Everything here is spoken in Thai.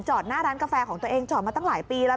หน้าร้านกาแฟของตัวเองจอดมาตั้งหลายปีแล้ว